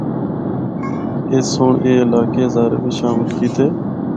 اس سنڑ اے علاقے ہزارے بچ شامل کیتے۔